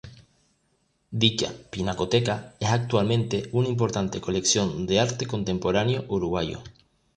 Dicha pinacoteca es actualmente una importante colección de arte contemporáneo uruguayo.